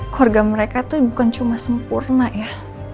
keluarga mereka tuh bukan cuma sempurna ya